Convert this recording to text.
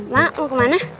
mak mau kemana